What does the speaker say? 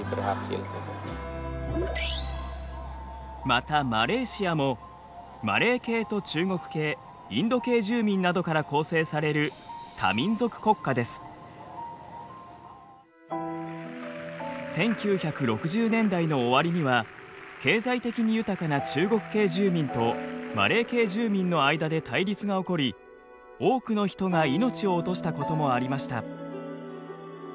またマレーシアもマレー系と中国系インド系住民などから構成される１９６０年代の終わりには経済的に豊かな中国系住民とマレー系住民の間で対立が起こり多くの人が命を落としたこともありました。